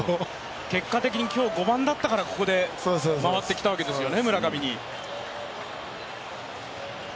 結果的に今日５番だったからここで回ってきたわけですよね、村上に。